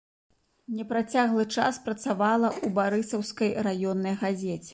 Непрацяглы час працавала ў барысаўскай раённай газеце.